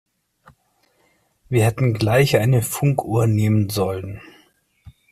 Wir hätten gleich eine Funkuhr nehmen sollen.